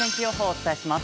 お伝えします。